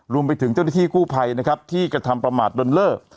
รวมไปถึงเจ้าหน้าที่กู้ภัยนะครับที่กระทำประมาทดนเล่อ